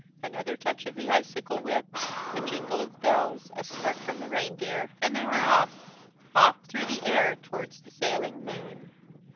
Another touch of the icicle whip, a jingle of bells, a snort from the reindeer, and they were off off through the air towards the sailing moon.